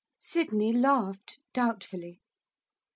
Sydney laughed, doubtfully.